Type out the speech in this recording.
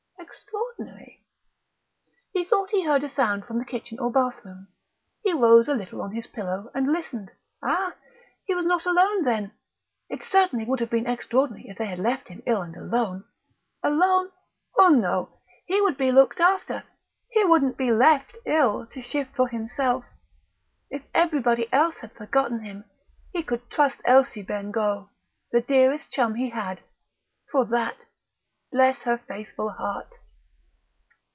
Extraordinary!..." He thought he heard a sound from the kitchen or bathroom. He rose a little on his pillow, and listened.... Ah! He was not alone, then! It certainly would have been extraordinary if they had left him ill and alone Alone? Oh no. He would be looked after. He wouldn't be left, ill, to shift for himself. If everybody else had forsaken him, he could trust Elsie Bengough, the dearest chum he had, for that ... bless her faithful heart!